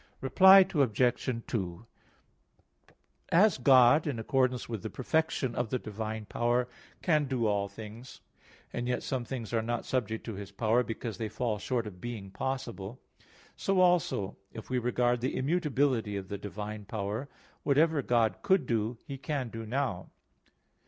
Reply Obj. 2: As God, in accordance with the perfection of the divine power, can do all things, and yet some things are not subject to His power, because they fall short of being possible; so, also, if we regard the immutability of the divine power, whatever God could do, He can do now.